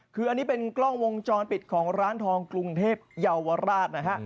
คืออันนี้เป็นกล้องวงจรปิดของร้านทองกรุงเทพเยาวราชนะฮะ